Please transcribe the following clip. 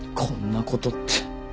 こんなことって。